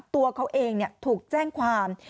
ตัวเขาเองถูกแจ้งความ